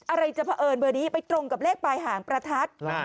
อะไรจะเผอิญเบอร์นี้ไปตรงกับเลขปลายหางประทัด